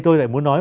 tôi lại muốn nói